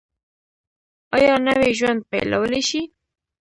ایا نوی ژوند پیلولی شئ؟